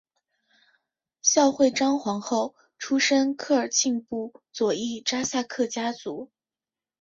孝惠章皇后出身科尔沁部左翼扎萨克家族。